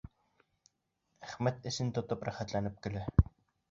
Әхмәт эсен тотоп рәхәтләнеп көлә.